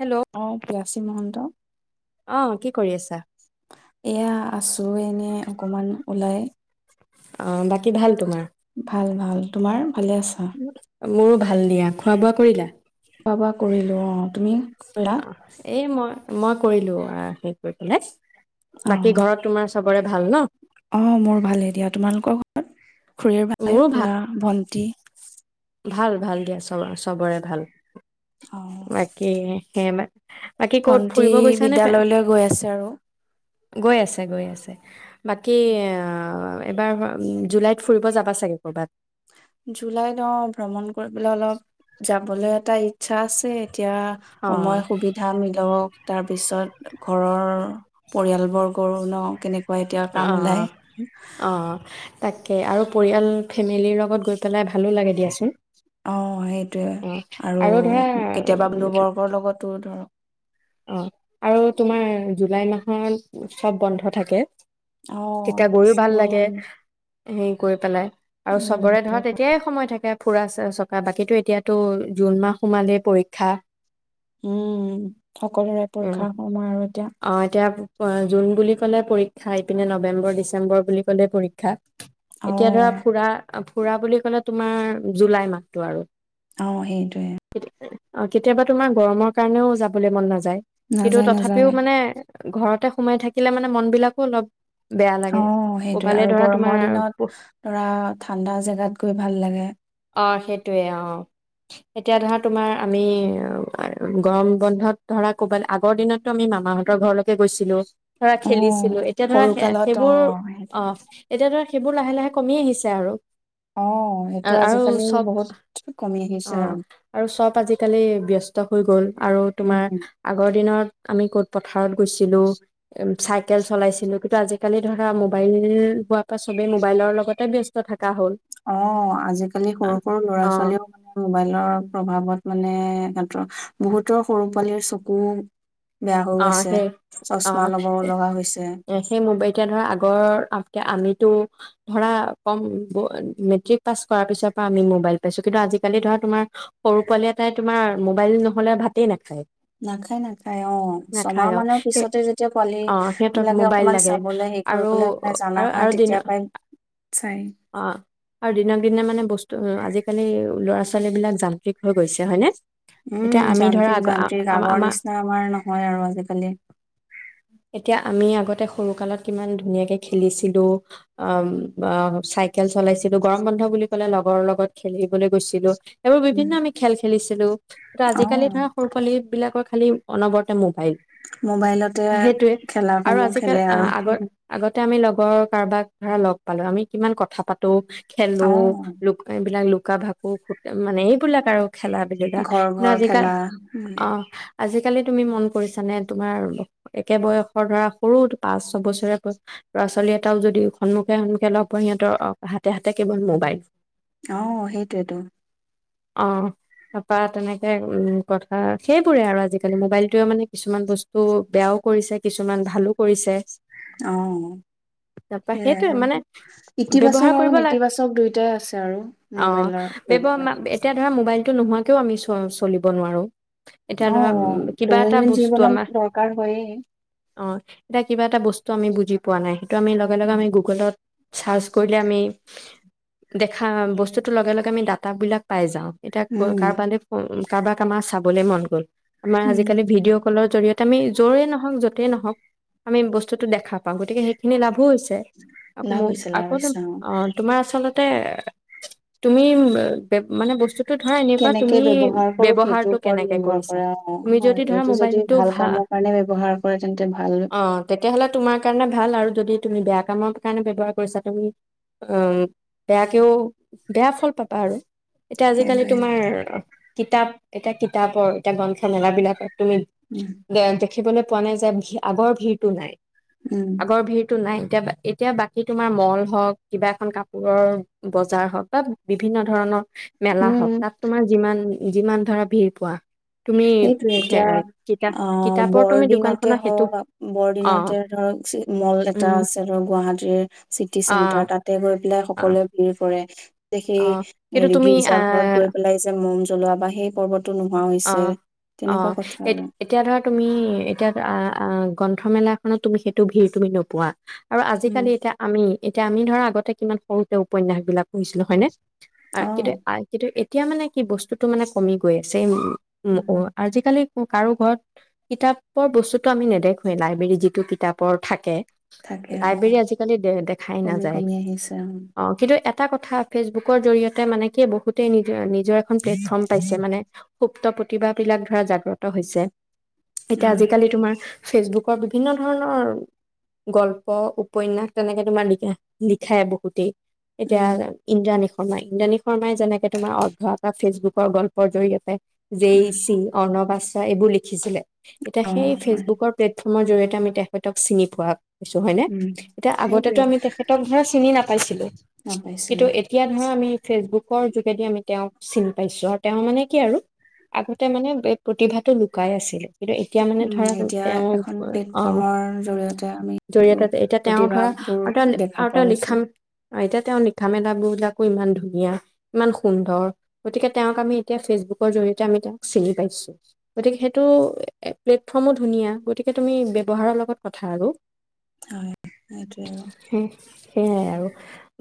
Hello অ' পিয়াচী মহন্ত। অ' কি কৰি আছা? এয়া আছো এনে অকমান ওলাই। অ' বাকী ভাল তোমাৰ? ভাল ভাল। তোমাৰ? ভালে আছা? মোৰো ভাল দিয়া। খোৱা-বোৱা কৰিলা? খোৱা-বোৱা কৰিলো। অ' তুমি কৰিলা? এই মই মই কৰিলো হে কৰি পেলাই। অ বাকী ঘৰত তোমাৰ? চবৰে ভাল ন? অ', মোৰ ভাল হে দিয়া তোমালোকৰ ঘৰত। খুৰীৰ ভাল খুৰা, ভণ্টি? ভাল -ভাল দিয়া চব -চবৰে ভাল। অ বাকী হেম ভন্টি বিদ্যয়ালয়লৈ গৈ আছে আৰু। গৈ আছে - গৈ আছে বাকী এইবাৰ জুলাইত ফুৰিব যাবা চাগে ক'ৰবাত? জুলাই অ ', ভ্ৰমণ কৰিবলৈ অলপ যাবলৈ এটা ইচ্ছা। ইচ্ছা আছে এতিয়া অ সময় সুবিধা মিলক। তাৰপিছত ঘৰৰ পৰিয়াল বৰ্গৰ ন কেনেক ক এতিয়া অ কাম ওলাই। অ তাকে আৰু পৰিয়াল ফেমিলিৰ লগত গৈ পেলাই ভালো লাগে দিয়াচোন। অ', সেইটোৱে অ আৰু কেতিয়াবা বন্ধুবৰ্গৰ লগত ত ধ অ', আৰু তোমাৰ জুলাই মাহ হম ', চব বন্ধ থাকে। অহ তেতিয়া গৈও ', ভাল লাগে স্কুল হেৰি কৰি পেলাই। আৰু চবৰে ধৰা তেতিয়াই সময় থাকে। ফুৰাছে চকা বাকী এতিয়াতো জুন মাহ সোমালেই পৰীক্ষা উম', সকলোৰে উম পৰীক্ষা সময় আৰু এতিয়া অ', এতিয়া অ', জুন বুলি ক'লে পৰীক্ষা, ইপিনে নৱেম্বৰ ডিচেম্বৰ বুলি কলে পৰীক্ষ ক্ষা, অ এতিয়া ধৰা ফুৰা খুৰা বুলি ক'লে তোমাৰ জুলাই মাহটো আৰু। অ', সেইটোৱে অ', কেতিয়াবা তোমাৰ গৰমৰ কাৰণেও যাবলৈ মন নাযায়। ই কিন্তু নাযায় তথাপি তাপিও নাযায় মানে ঘৰতে। সোমাই থাকিলে মানে মন বিলাকো অলপ বেয়া লাগে অ' সেইটোৱে ক'বালে আৰু ধৰা তোমাৰ গৰমৰ দিনত ধৰা ঠাণ্ডা জেগাত গৈ ভাল লাগে। অ সেইটোয়ে অ' এতিয়া ধৰা তোমাৰ আমি গৰম বন্ধত ধৰা কবাৰ আগৰ দিনত আমি মামাহঁতৰ ঘৰলৈকে গৈছিলো। ধৰা অ খেলিছিলো। এতিয়া ধৰা সৰু সে কালত অ সেইবোৰ সেইটো অ'। এতিয়া ধৰা সেইবোৰ লাহে লাহে কমি আহিছে আৰু। অ আ সেইটো আৰু আজিকালি চব বহুত কমি আহিছে অঁ আৰু আৰু চব আজিকালি ব্যস্ত [unintelligible] হৈ গ'ল আৰু তোমাৰ উম আগৰ দিনত আমি ক'ত পথাৰত গৈছিলোঁ উম চাইকেল চলাইছিলো কিন্তু আজিকালি ধৰা মোবাইল হোৱাৰ পৰা চবে মোবাইলৰ লগতে ব্যস্ত থাকে। অ' আজিকালি সৰু সৰু ল'ৰা অ ছোৱালীও মানে মোবাইলৰ প্ৰভাৱত মানে বহুতৰ সৰু পোৱালিৰ চকু বেয়া হৈ অ' গৈছে। সেই চশমা ল'ব লগা হৈছে। অ' সেই [unintelligible] ধৰা আগৰ আমিতো। ধৰা কম মেট্ৰিক পাছ কৰাৰ পিছৰ পৰা আমি মবাইল। পাইছো কিন্তু আজিকালি ধৰা তোমাৰ। সৰু পোৱালি এটাই তোমাৰ মোবাইল নহ'লে ভাতেই নাখায়। নাখায় নাখায়। চাই অ' ছমাহ নাখায় অ মানৰ সেই পিছতে যেতিয়া পোৱালী অ সিহঁতক বিলাকে মোবাইল অকণমান লাগে চাবলৈ হেৰি আৰু কৰিবলৈ মানে জনা আৰু হয় আৰু দিন তেতিয়াৰ পৰাই চাই। অ' আৰু দিনক দিনে মানে বস্তু আজিকালি ল'ৰা ছোৱালী বিলাক যান্ত্ৰিক হৈ গৈছে হয়নে। উম এতিয়া আমি ধৰা যান্ত্ৰিক আগ যান্ত্ৰিক আম আগৰ আমাৰ নিচিনা আমাৰ নহয় আৰু আজিকালি। এতিয়া আমি আগতে সৰু কালত কিমান ধুনীয়াকে খেলিছিলো ম ম [unintelligible] চাইকেল চলাইছিলো গৰম বন্ধ বুলি ক'লে লগৰ লগত খেলিবলৈ গৈছিলো। এইবোৰ উম, বিভিন্ন আমি খেল খেলিছোঁ। হেল্ল'। ত আজিকালি অ', ধৰা সৰু পোৱালি। বিলাকৰ খালি অনবৰতে মোবাইল [inaudible] মোবাইলতে সেইটোয়ে আৰু খেলাসমূহ খেলে আজিকালি আৰু। আহ আগৰ আগতে আমি লগ ঘৰৰ কাৰোবাক ধৰা লগ পালো আমি। কিমান কথা পাতো। খেলো অ', লোক এইবিলাক লোক লুকা-ভাকু ফুট মানে এইবিলাক আৰু খেলা ভিডিঅ', গিলা ঘৰ না ঘৰ জিকা খেলা, উম, অ', আজিকালি তুমি মন কৰিছ নে তোমাৰ একে বয়সৰ ধৰা সৰু পাঁচ ছয় বছৰে ল'ৰা ছোৱালী এটাও যদি সন্মুখে সন্মুখে লগ সিহতৰ হাতে হাতে কেৱল মোবাইল আহ সেইটোৱেইতো অ তাৰপৰা তেনেকে উম কথা সেইবোৰে আৰু আজিকালি মোবাইলটোৱে মানে কিছুমান বস্তু বেয়াও কৰিছে কিছুমান ভালো কৰিছে অ তাৰপা সেইয়াই সেইটোৱে আৰু মানে ব্যৱহাৰ ইতিবাচক আৰু কৰিব লাগে নেতিবাচক দুয়োটাই আছে আৰু অ', মোবাইলৰ ব্যৱ মা ব্যৱহাৰ এতিয়া ধৰা মোবাইলটো নোহোৱাকেও আমি চ চলিব নোৱাৰোঁ আহ দৈনন্দিন আমাৰ জীৱনত দৰকাৰ হয়েই অ এতিয়া কিবা এটা বস্তু আমি বুজি পোৱা নাই টো আমি লগে লগে আমি গুগলত চাৰ্জ কৰিলে আমি দেখা বস্তুতো লগে লগে আমি দাটা বিলাক পাই যাওঁ এতিয়া উম, কাৰ বালে উ কাৰোবাক আমাৰ চাবলৈ মন গ'ল আমাৰ উম, আজিকালি ভিডিঅ' কলৰ জৰিয়তে আমি যৰেই নহওক য'তেই নহওক আমি বস্তুটো দেখা পাওঁ গতিকে সেইখিনি লাভ হৈছে লাভ মোৰ হৈছে লাভ আকৌ হৈছে অ তোমাৰ আচলতে তে তুমি মানে বস্তু ধৰা এনেকোৱা কেনেকে তুমি ব্যৱহাৰ কৰো সেইটোৰ বৱহাৰটো ওপৰত কেনেকে নিৰ্ভৰ কৰিছা কৰে অ'। তুমি হয়, যদি ধৰা এইটো যদি মবাইলটো ভাল কামৰ কাৰণে ব্যৱহাৰ কৰে তেন্তে ভাল অ তেতিয়ালে তোমাৰ কাৰণে ভাল আৰু যদি তুমি বেয়া কামৰ কাৰণে কৰিছা তুমি বেয়াকেও বেয়া ফল পাবা আৰু এতিয়া আজিকালি সেইটোৱে তোমাৰ কিতাপ এটা কিতাপৰ এতিয়া গ্ৰন্থমেলা বিলাকৰ তুমি উম, গেৰানটি দেখিবলৈ পোৱা নাই যে আগৰ ভিৰটো নাই উম, আগৰ ভিৰটো নাই এতিয়া এতিয়া বাকী বাকী তোমাৰ মল হওঁক কিবা এখন কাপোৰৰ বজাৰ হওঁক বা বিভিন্ন ধৰণৰ মেলা উম, উম। হওক তাত তোমাৰ যিমান যিমান ধৰা ভিৰ পোৱা তুমি সেইটো এতিয়া কিতাপ অ কিতাপৰ তুমি বৰদিনতে দোকানখনত সেইটো হওক অ বৰদিনতে ধৰক মল এটা উম আছে ধৰক গুৱাহাটী চিটি অ চেন্টাৰ তাতে গৈ অ সকলোৱে ভিৰ কৰে সেই অ কিন্তু হেৰি তুমি গীৰ্জা ঘৰত আহ গৈ পেলাই যে মম, লোৱা বা সেই পৰ্বত টো নোহোৱা অ হৈছে অ' এ আৰু এতিয়া ধৰা তুমি এতিয়া অ' গ্ৰন্থমেলাখনত তুমি সেইটো ভিৰ তুমি নোপোৱা আৰু উম আজিকালি এতিয়া আমি এতিয়া আমি ধৰা আগতে কিমান সৰুতে উপন্যাস বিলাক পঢ়িছিলো হয় নে অ কিন্তু আহ কিন্তু এতিয়া মানে কি বস্তুটো মানে কমি গৈ আছে সেই, উ উম, অ' আজিকালি কাৰো ঘৰত কিতাপৰ বস্তুটো আমি নেদেখোঁৱে লাইব্ৰেৰীত যিটো কিতাপৰ থাকে থাকে অ লাইব্ৰেৰী আজিকালি দে দেখাই কমি নাযায়। কমি আহিছে অ কিন্তু এটা কথা ফেচবুকৰ জৰিয়তে মানে কি বহুতেই নিজৰ ইমেজ নিজৰ এখন প্লেটফৰ্ম পাইছে মানে সুপ্ত প্ৰতিভাবিলাক ধৰা জাগ্ৰত হৈছে এতিয়া হয় আজিকালি তোমাৰ ফেচবুকৰ বিভিন্ন ধৰণৰ গল্প উপন্যাস তেনেকে তোমাৰ লিখা লিখায় বহুতেই উম এতিয়া ইন্দ্ৰাণী শৰ্মা ইন্দ্ৰাণী শৰ্মাই যেনেকে তোমাৰ অৰ্ধ এটা ফেচবুক গল্পৰ জৰিয়তে উম জেইচি অৰ্ণবাস এইবোৰ লিখিছিলে এতিয়া অ সেই হয় ফেচবুকৰ প্লেটফৰ্ম অসমৰ জৰিয়তে আমি তেখেতক চিনি পোৱা হয় ন উম এতিয়া সেইটোৱে আগতেটো আমি তেখেতক ধৰা চিনি নাপাইছিলো। নাপাইছিলো কিন্তু এতিয়া ধৰা আমি ফেচবুকৰ যোগেদি আমি তেওঁক চিনি পাইছো আৰু তেওঁ মানে কি আৰু আগতে মানে এই প্ৰতিভাটো লুকাই আছিলে কিন্তু এতিয়া মানে উম, ধৰা এতিয়া তেওঁ এখন অ প্লেটফৰ্মৰ জৰিয়তে আমি এইটো জৰিয়তে এতিয়া তেওঁ ধৰা প্ৰতিভাবোৰ আৰু তেওঁ দেখা আৰু পোৱা তেওঁ গৈছো। লিখা এতিয়া তেওঁৰ লিখা-মেলাবোৰ বিলাকো ইমান ধুনীয়া। ইমান সুন্দৰ গতিকে তেওঁক আমি এতিয়া ফেচবুক জৰিয়তে আমি তেওঁক চিনি পাইছোঁ গতিকে সেইটো প্লেটফৰ্মো ধুনীয়া গতিকে তুমি ব্যৱহাৰৰ লগত কথা আৰু হয় সেইটোৱে আৰু সেইয়াই আৰু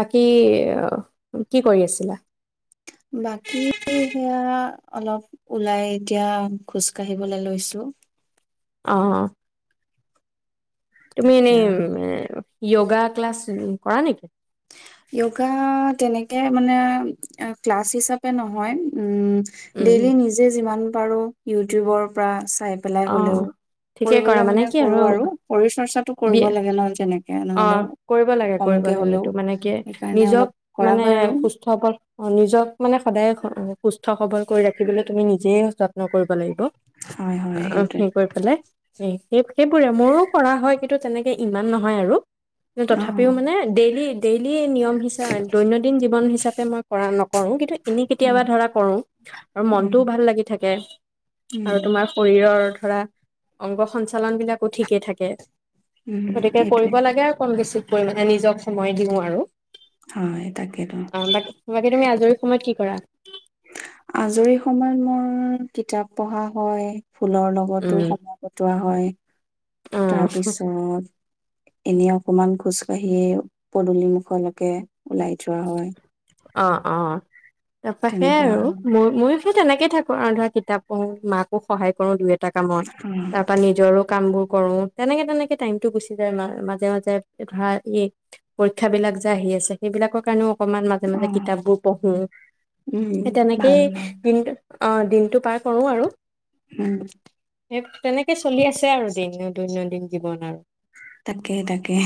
বাকী কি কৰি আছিলা বাকী সেয়া, অলপ ওলাই এতিয়া খোজ কাঢ়িবলৈ লৈছো। অ'। তুমি তাকে এনে আৰু [unintelligible] যোগা ক্লাছ, কৰা নেকি? য়োগা তেনেকে মানে, ক্লাছ হিচাপে নহয়, উম। ডেইলি নিজে যিমান [unintelligible] ইউটিউবৰ পৰা চাই পেলাই অঁ হ'লেও, ঠিকে কৰা কৰিবলৈ মানে কি কৰো আৰু শৰীৰ চৰ্চাটো বি কৰিব লাগে নহয় যেনেক অ, কৰিব লাগে কৰিব লাগে এইটো মানে কি সেইকাৰণে নিজক, অলপ কৰা মানে হয় আৰু সুস্থ সব অ', নিজক মানে সদায় সুস্থ সবল কৰি ৰাখিবলৈ তুমি নিজেই যত্ন কৰিব লাগিব। হয়, হয়, সেইটোৱে। [unintelligible] কৰি পেলাই। এ সেই সেইবোৰে মোৰো কৰা হয় কিন্তু তেনেকে ইমান নহয় আৰু। অ', তথাপিও মানে ডেইলি ডেইলি নিয়ম হিচা, দৈনন্দিন জীৱন হিচাপে মই কৰা নকৰোঁ, কিন্তু এনেই উম, কেতিয়াবা ধৰা কৰোঁ, আৰু উম, মনটোও ভাল লাগি থাকে আৰু উম, তোমাৰ শৰীৰৰ ধৰা, অংগ সঞ্চ [unintelligible] বিলাকো ঠিকে থাকে। উম, গতিকেই প সেইটোৱে। [unintelligible] কম বেছি পৰিমাণে নিজক সময় দিওঁ আৰু। হয় তাকেইটো। অ বাকী বাকী তুমি আজৰি সময়ত কি কৰা। আজৰি সময়ত মোৰ কিতাপ পঢ়া হয়। ফুলৰ লগতো উম। সময় কটোৱা হয়। অ তাৰপিছত। এনে অকমান খোজ কাঢ়িয়েই, পদুলিমুখলৈকে ওলাই যোৱা হয়। অ, অ। তাৰপাশে আৰু মই ময়ো সেই তেনেকে [unintelligible] কিতাপ পঢ়ো, মাকো সহায় কৰো দুই এটা [unintelligible] কামত, অ', তাৰ পৰা নিজৰো কামবোৰ কৰো। তেনেকে তেনেকে টাইমতটো গুচি যায় মা-মাজে মাজে ধৰা ই, পৰীক্ষা বিলাক যে আহি আছে সেইবিলাক [unintelligible] অকমান মাজে মাজে অ', কিতাপবোৰ পঢ়ো, উম, সেই ভাল তেনেকেই ভাল। দিনটো অ, দিনটো পাৰ কৰো আৰু। [unintelligible] এক তেনেকে চলি আছে আৰু দিনো দৈনন্দিন জীৱন আৰু তাকে তাকে,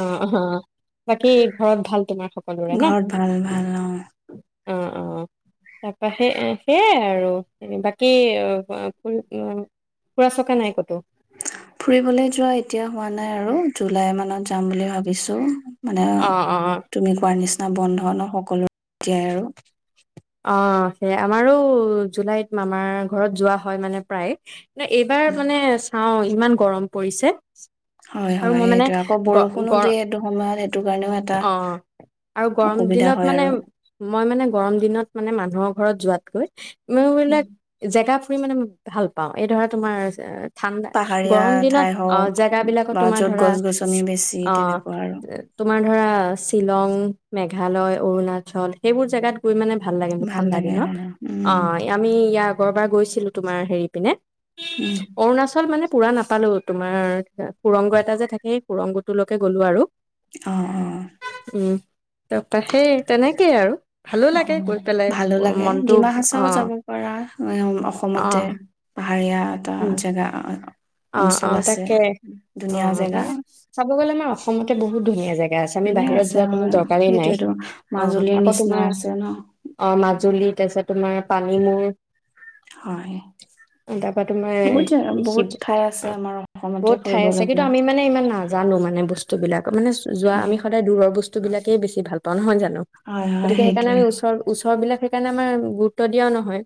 অ অ বাকী ঘৰত ভাল তোমাৰ সকলোৰে ন ঘৰত ভাল ভাল অ অ অ তাৰপা সেই সেয়াই আৰু বাকী ফুল ফুৰা চকা নাই ক'তো ফুৰিবলৈ যোৱা এতিয়া হোৱা নাই আৰু জুলাই মানত যাম বুলি ভাবিছো মানে অ অ তুমি কোৱাৰ নিচিনা ন বন্ধ ন সকলো এতিয়াই আৰু অ সেইয়া আমাৰো জুলাইত আমাৰ ঘৰত যোৱা হয় মানে প্ৰায় ন এইবাৰ মানে চাও ইমান গৰম পৰিছে হয় আৰু হয় মই মানে সেইটোৱে আকৌ গ বৰষুণো গৰ দিয়ে এইটো সময়ত সেইটো কাৰণেও এটা অ আৰু গৰম অসুবিধা দিনত হয় মানে আৰু মই মানে গৰম দিনত মানে মানুহৰ ঘৰত যোৱাতকৈ উম মবিলাক জেগা মানে ভাল পাওঁ এই ধৰা তোমাৰ ঠাণ্ডা পাহাৰীয়া গৰম দিনত ঠাই অ হওক জেগা বিলাকত বা তোমাৰ য'ত ধৰা গছ গছনি বেছি অ তেনেকুৱা আৰু তোমাৰ ধৰা শ্বিলং মে মেঘালয় অৰুণাচল সেইবোৰ জেগাত গৈ মানে ভাল লাগে মোক ঠাণ্ডা লাগে দিনত হয় অ উম আমি ইয়াক আগ'ৰবাৰ গৈছিল তোমাৰ হেৰি পিনে উম অৰুণাচল মানে পুৰা নাপালো তোমাৰ সুৰংগ এটা যে থাকে সুৰংগটোলৈকে গ'লো আৰু অ অ উম তাপা সেই তেনেকেই আৰু ভালো অ লাগে গৈ পেলাই ভালো লাগে মনটো ডিমা অ হাচাও যাব পাৰা অ অসমতে হাৰীয়া এটা উম জগা অ অ তাকে অ জেগা মানে চাব গলে আমাৰ অসমত বহু ধুনীয়া জাগা আছে আমি ধুনীয়া বাহিৰত আছে যোৱা কোনো হয় দৰকাৰেই নাই সেইটোয়েতো অ মাজুলীৰ আকৌ নিচিনা তোমাৰ আছে ন অ মাজুলীত তাছত তোমাৰ পানীমুৰ হয় তাৰপা তোমাৰ বহুত জেগা বহুত শিৱ ঠাই আছে অ আমাৰ অসমতে বহুত ঠাই ফুৰিব আছে কিন্তু লগা আমি মানে ইমান নাজানো মানে বস্তু বিলাক মানে যোৱা আমি সদায় দূৰৰ বস্তু সিবিলাকে বেছি ভাল পাও নহয় জানো হয় হয় গতিকে সেইকাৰণে সেইটোৱে আমি ওচৰ ওচৰ বিলাক সেই কাৰণে আমাৰ গুৰুত্ব দিয়াও নহয়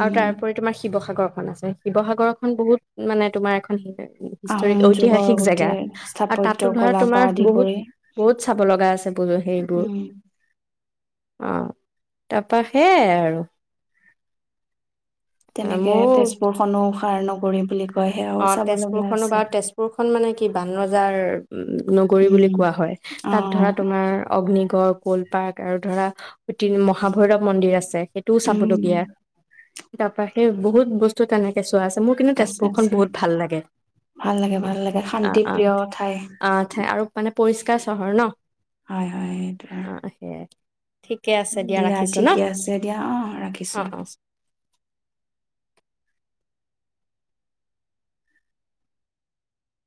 আৰু তাৰপৰি তোমাৰ শিৱসাগৰ আছে শিৱসাগৰ খন বহুত মানে তোমাৰ এখন হি হিষ্টৰি আহোম যুগৰ ঐতিহাসিক জেগা গোটেই আৰু স্থাপত্য তাতো ধৰা কলা পৰা তোমাৰ আদি বহুত কৰি বহুত চাব লগা আছে ব সেইবোৰ উম আহ তাৰপা সেয়াই আৰু তেনেকে মোৰ তেজপুৰ খনু কাৰ নগৰিম বুলি ক অ তেজপুৰ খনো বা তেজপুৰখন মানে কি বান ৰজাৰ উ নগৰী বুলি উম কোৱা হয় অ তাত ধৰা তোমাৰ অগ্নি গড় কল পাৰ্ক আৰু ধৰাঐতিনি মহাভৈৰৱ মন্দিৰ আছে সেইটোও উম চাবলগীয়া তাৰাপা সেই বহুত বস্তু তেনেকে তেঁচ আছে মোৰ কিন্ত আছে তেজপুৰ আছে বহুত ভাল লাগে ভাল লাগে ভাল লাগে আহ শান্তি প্ৰিয় ঠাই আহ ঠাই আৰু মানে পৰিষ্ চহৰ ন হয় হয় এইটোৱে অ সেয়াই ঠিকে আছে দিয়া ৰাখিছো ন ঠিকে আছে দিয়া অ ৰাখিছো অ অ ৰাখিছো